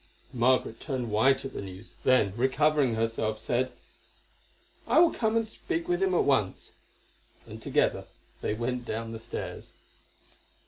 Margaret turned white at the news, then, recovering herself, said: "I will come and speak with him at once." And together they went down the stairs.